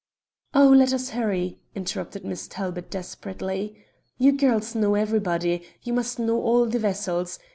"Oh, let us hurry," interrupted Miss Talbot desperately. "You girls know everybody. You must know all the vessels.